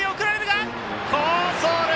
好走塁！